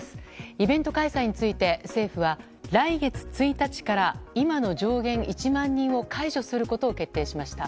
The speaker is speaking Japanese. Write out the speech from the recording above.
イベント開催について政府は、来月１日から今の上限１万人を解除することを決定しました。